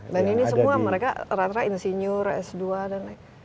dan ini semua mereka rata rata insinyur s dua dan lain lain